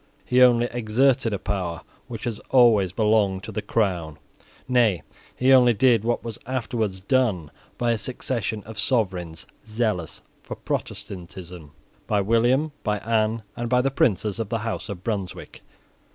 He only exerted a power which has always belonged to the crown. Nay, he only did what was afterwards done by a succession of sovereigns zealous for Protestantism, by William, by Anne, and by the princes of the House of Brunswick.